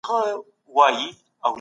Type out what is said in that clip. رسنۍ د لويې جرګي غونډي خپروي.